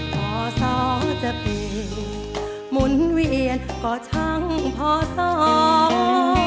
พอเสาจะเปลี่ยนหมุนเวียนก็ทั้งพอสอง